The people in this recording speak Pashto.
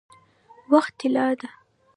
وخت طلا ده؟